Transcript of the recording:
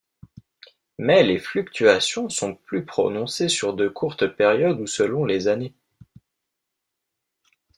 Mais les fluctuations sont plus prononcées sur de courtes périodes ou selon les années.